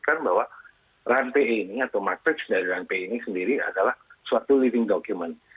itu kan bahwa ranpe ini atau matrix dari ranpe ini sendiri adalah suatu living document